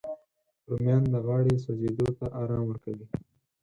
رومیان د غاړې سوځېدو ته ارام ورکوي